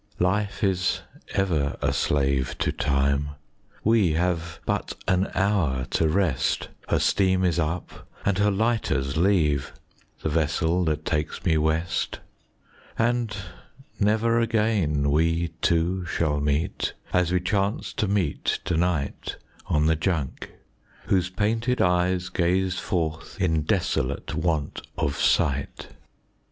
Life is ever a slave to Time; we have but an hour to rest, Her steam is up and her lighters leave, the vessel that takes me west; And never again we two shall meet, as we chance to meet to night, On the Junk, whose painted eyes gaze forth, in desolate want of sight.